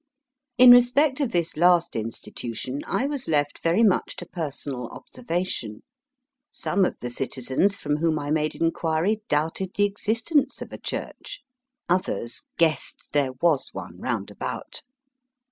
In respect of this last institution I was left very much to personal observation. Some of the citizens from whom I made inquiry doubted the existence of a church. Digitized by VjOOQIC 80 EAST BY WEST. Others ^^ guessed there was one round about."